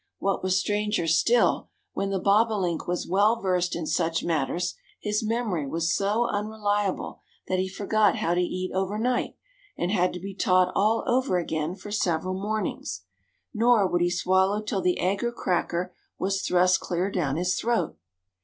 What was stranger still, when the bobolink was well versed in such matters, his memory was so unreliable that he forgot how to eat over night and had to be taught all over again for several mornings, nor would he swallow till the egg or cracker was thrust clear down his throat.